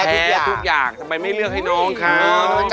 สุโคไทยครับสุโคไทยครับสุโคไทยครับ